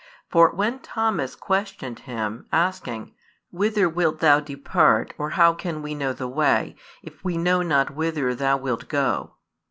For when Thomas questioned Him, asking: "Whither wilt Thou depart; or how can we know the way, if we know not whither Thou wilt go?"